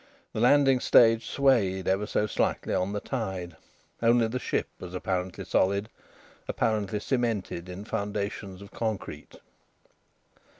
The landing stage swayed ever so slightly on the tide. Only the ship was apparently solid, apparently cemented in foundations of concrete.